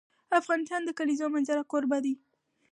افغانستان د د کلیزو منظره کوربه دی.